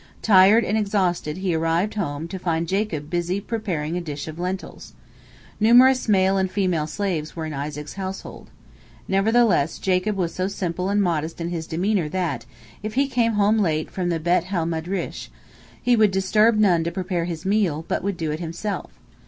Tired and exhausted he arrived at home to find Jacob busy preparing a dish of lentils. Numerous male and female slaves were in Isaac's household. Nevertheless Jacob was so simple and modest in his demeanor that, if he came home late from the Bet ha Midrash, he would disturb none to prepare his meal, but would do it himself.